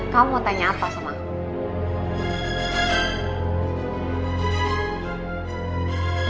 kamu mau tanya apa sama